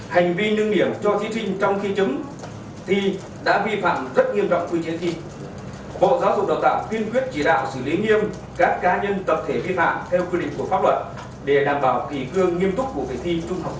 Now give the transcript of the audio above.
hành vi nương điểm cho thí sinh trong khi chấm thi đã vi phạm rất nghiêm trọng quy chế thi